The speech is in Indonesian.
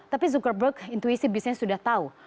tapi zuckerberg intuisi bisnis sudah tahu